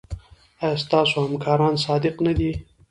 ایا ستاسو همکاران صادق نه دي؟